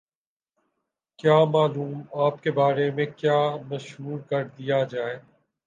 کیا معلوم آپ کے بارے میں کیا مشہور کر دیا جائے؟